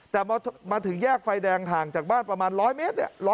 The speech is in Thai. แต่มาถึงแยกไฟแดงห่างจากบ้านประมาณ๑๐๐เมตร